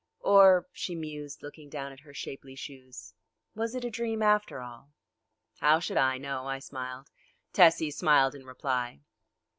Or," she mused, looking down at her shapely shoes, "was it a dream after all?" "How should I know?" I smiled. Tessie smiled in reply.